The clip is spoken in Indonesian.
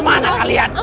tunggu nih ah